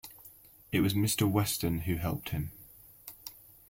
It was Mr. Weston who helped him.